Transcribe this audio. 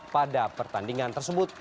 pada pertandingan tersebut